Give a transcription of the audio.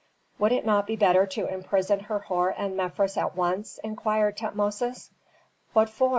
"Would it not be better to imprison Herhor and Mefres at once?" inquired Tutmosis. "What for?